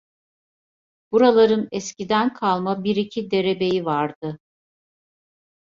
Buraların eskiden kalma bir iki derebeyi vardı.